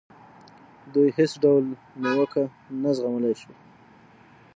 دوی هېڅ ډول نیوکه نه زغملای شي.